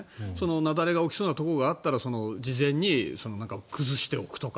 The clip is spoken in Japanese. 雪崩が起きそうなところがあったら、事前に崩しておくとか